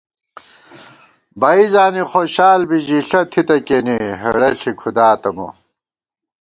بَئ زانی خوشال بی ژِݪہ تھِتہ کېنے ، ہېڑہ ݪی کھُداتہ مو